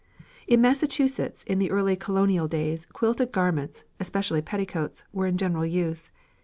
In Massachusetts in the early colonial days quilted garments, especially petticoats, were in general use.